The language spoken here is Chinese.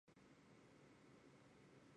厚床车站的铁路车站。